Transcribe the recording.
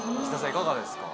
いかがですか？